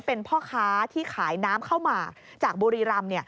เป็นพ่อค้าที่ขายน้ำข้าวหมากจากบุรีรำ